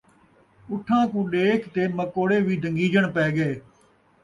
اُٹھاں کو ݙیکھ تے مکوڑے وی دنگیجݨ پئے ڳئے